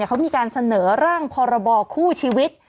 เขามีการเสนอร่างพรบคู่ชีวิต